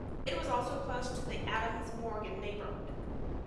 It is also close to the Adams Morgan neighborhood.